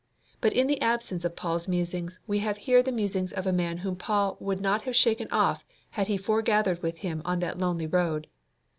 But in the absence of Paul's musings we have here the musings of a man whom Paul would not have shaken off had he foregathered with him on that lonely road.